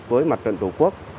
với mặt trận tổ quốc